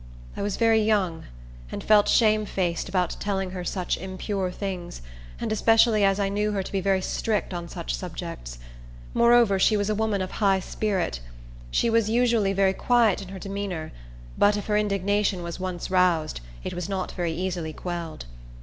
I was very young, and felt shamefaced about telling her such impure things, especially as I knew her to be very strict on such subjects. Moreover, she was a woman of a high spirit. She was usually very quiet in her demeanor; but if her indignation was once roused, it was not very easily quelled.